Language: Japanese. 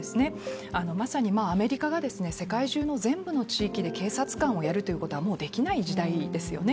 まさにアメリカが世界中の全部の地域で警察官をやるということはもうできない時代ですよね。